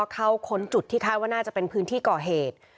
ค้นจุดที่คาดว่าน่าจะเป็นพื้นที่ก่อเหตุ